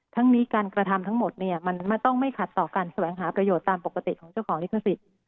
ทั้งนี้การกระทำทั้งหมดเนี่ยมันต้องไม่ขัดต่อการแสวงหาประโยชน์ตามปกติของเจ้าของลิขสิทธิ์